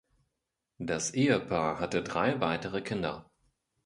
Das Ehepaar hatte drei weitere Kinder.